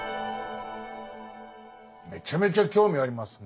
めちゃめちゃ興味ありますね。